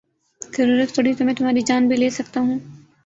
ضرورت پڑی تو میں تمہاری جان بھی لے سکتا ہوں